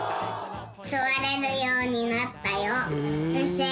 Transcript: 座れるようになったよ。